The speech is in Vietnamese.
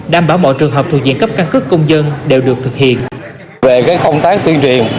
đảm bảo mọi trường hợp thuộc diện cấp căn cước công dân đều được thực hiện